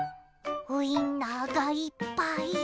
ウインナーがいっぱい！